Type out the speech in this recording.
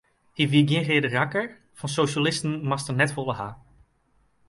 Hy wie gjin reade rakkert, fan sosjalisten moast er net folle hawwe.